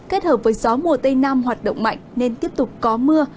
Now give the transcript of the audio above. kết hợp với gió mùa tây nam hoạt động mạnh nên tiếp tục có mưa